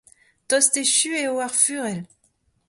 Tost echu eo ar fuc'hell.